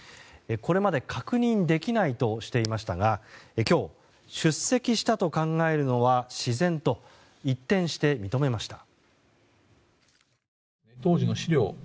これまで確認できないとしていましたが今日、出席したと考えるのは自然と一転して認めました。